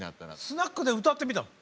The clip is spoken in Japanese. スナックで歌ってみたの？